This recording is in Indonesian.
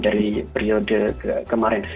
dari periode kemarin